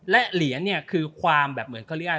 แล้วเหรียญเนี่ยคือความเหมือนเครียร์